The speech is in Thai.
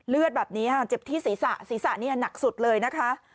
เลือดแบบนี้ค่ะเจ็บที่ศีรษะศีรษะนี่หนักสุดเลยนะคะ